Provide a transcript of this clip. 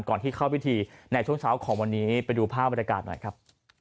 ที่เข้าพิธีในช่วงเช้าของวันนี้ไปดูภาพบรรยากาศหน่อยครับ